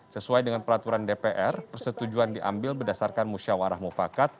sesuai dengan peraturan dpr persetujuan diambil berdasarkan musyawarah mufakat